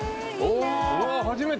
うわ初めて。